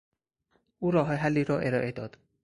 او راه حلی را ارائه داد.